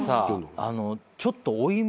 ちょっと負い目を。